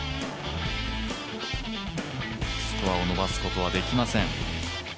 スコアを伸ばすことはできません。